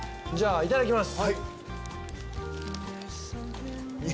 いただきます。